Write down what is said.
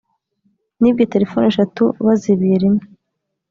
“Nibwe telefoni eshatu bazibiye rimwe